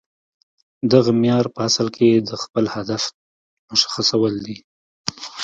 دغه معیار په اصل کې د خپل هدف مشخصول دي